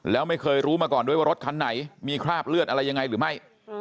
แล้วไม่เคยรู้มาก่อนด้วยว่ารถคันไหนมีคราบเลือดอะไรยังไงหรือไม่